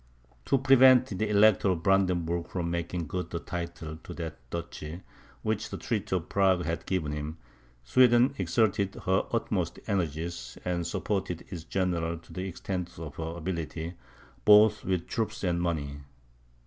To prevent the Elector of Brandenburg from making good the title to that duchy, which the treaty of Prague had given him, Sweden exerted her utmost energies, and supported its generals to the extent of her ability, both with troops and money.